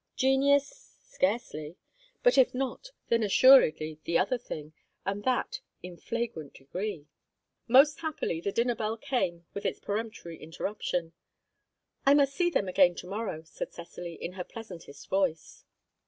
Genius scarcely. And if not, then assuredly the other thing, and that in flagrant degree. Most happily, the dinner bell came with its peremptory interruption. "I must see them again to morrow," said Cecily, in her pleasantest voice.